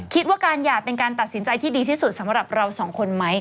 คิดว่าการหย่าเป็นการตัดสินใจที่ดีที่สุดสำหรับเราสองคนไหม